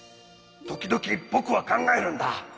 時々僕は考えるんだ。